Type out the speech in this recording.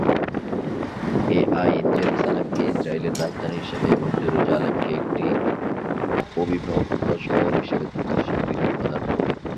এই আইন জেরুসালেমকে ইসরাইলের রাজধানী হিসেবে এবং জেরুসালেমকে একটি অবিভক্ত শহর হিসেবে থাকার স্বীকৃতি প্রদান করে।